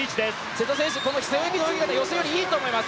瀬戸選手背泳ぎの泳ぎ方予選よりいいと思います。